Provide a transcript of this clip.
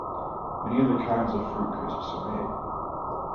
Many other kinds of fruit crisps are made.